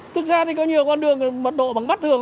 thực ra thì có nhiều con đường mật độ bằng mắt thường